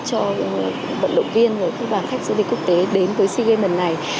cho vận động viên và khách du lịch quốc tế đến với sea games